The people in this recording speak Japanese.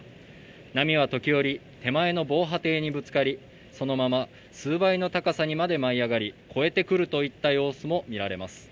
波は時折手前の防波堤にぶつかりそのまま数倍の高さにまで舞い上がり超えてくるといった様子も見られます